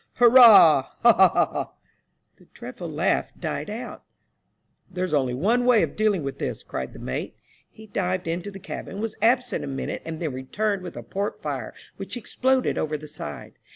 hurrah! Ha! ha! ha !" The dreadful laugh died out. 224 AN OCEAN MYSTERY, "There's only one way of dealing with this," cried the mate. He dived into the cabin, was absent a minute, and then returned with a port fire, which he exploded over the side.